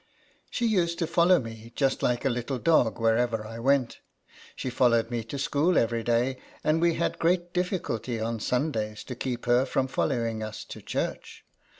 She used to follow me, just like a little dog, wherever I went. She followed me to school every day, and we had great diffi * culty on Sundays to keep her from follow ing us to church.